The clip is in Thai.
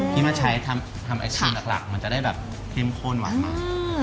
ที่มาใช้ทำไอศครีมหลักมันจะได้แบบเข้มข้นหวานมา